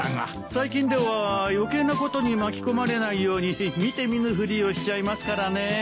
最近では余計なことに巻き込まれないように見て見ぬふりをしちゃいますからね。